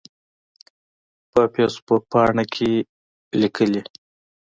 په فیسبوک پاڼه کې کې لیکلي